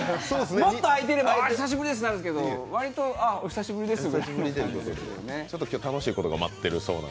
もっとあいてれば、久しぶりですねなんですけど、わりと、ああ、お久しぶりですぐらいの。